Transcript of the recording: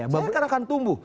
saya kan akan tumbuh